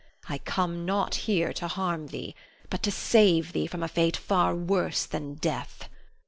I come not here to harm thee, but to save thee from a fate far worse than death.